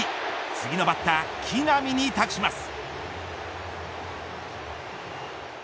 次のバッター木浪に託します。